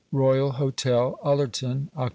Royal Hotel, Ullerton, Oct.